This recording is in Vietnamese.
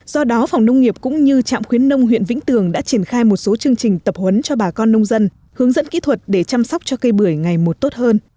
do đó phòng nông nghiệp cũng như trạm khuyến nông huyện vĩnh tường đã triển khai một số chương trình tập huấn cho bà con nông dân hướng dẫn kỹ thuật để chăm sóc cho cây bưởi ngày một tốt hơn